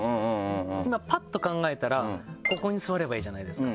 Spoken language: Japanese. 今パっと考えたらここに座ればいいじゃないですか。